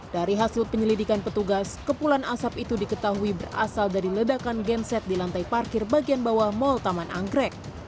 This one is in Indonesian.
dari hasil penyelidikan petugas kepulan asap itu diketahui berasal dari ledakan genset di lantai parkir bagian bawah mall taman anggrek